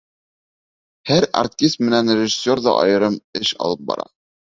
Һәр артист менән режиссер ҙа айырым эш алып бара.